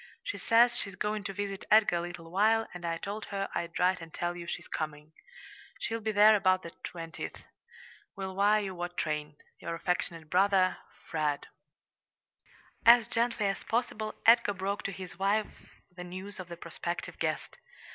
She says she's going to visit Edgar a little while, and I told her I'd write and tell you she's coming. She'll be there about the 20th. Will wire you what train. Your affectionate brother FRED As gently as possible Edgar broke to his wife the news of the prospective guest.